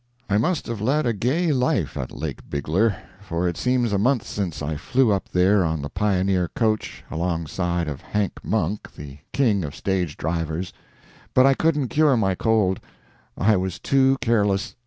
I must have led a gay life at Lake Bigler, for it seems a month since I flew up there on the Pioneer coach, alongside of Hank Monk, the king of stage drivers. But I couldn't cure my cold. I was too careless.